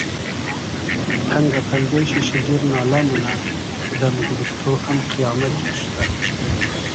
تئنگۂ پئلدې شی شیجیر نالۂ مونۂ دئم گیریفتۉ ام قپامئد جۉر شودۂ